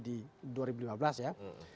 di dua ribu lima belas ya